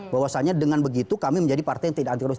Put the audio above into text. bahwasannya dengan begitu kami menjadi partai yang tidak anti korupsi